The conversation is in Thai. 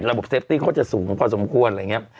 ระบบเซฟตี้โคตรจะสูงน้อยพอสมควร